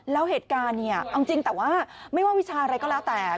แล้วเหตุการณ์เนี่ยเอาจริงแต่ว่าไม่ว่าวิชาอะไรก็แล้วแต่